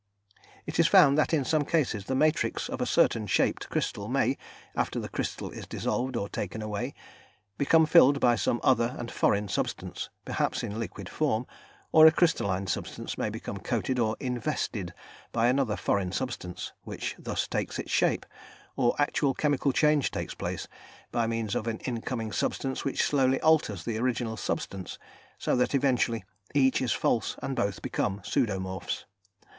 It is found that in some cases, the matrix of a certain shaped crystal may, after the crystal is dissolved or taken away, become filled by some other and foreign substance, perhaps in liquid form; or a crystalline substance may become coated or "invested" by another foreign substance, which thus takes its shape; or actual chemical change takes place by means of an incoming substance which slowly alters the original substance, so that eventually each is false and both become pseudomorphs.